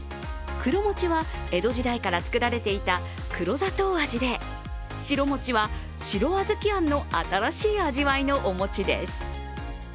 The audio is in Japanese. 黒餅は江戸時代から作られていた黒砂糖味で白餅は、白小豆あんの新しい味わいのお餅です。